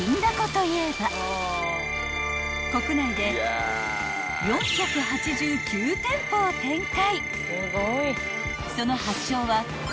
［国内で４８９店舗を展開］